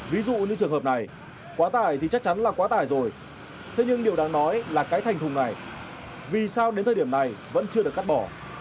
ví dụ như trường hợp này quá tải thì chắc chắn là quá tải rồi thế nhưng điều đáng nói là cái thành thùng này vì sao đến thời điểm này vẫn chưa được cắt bỏ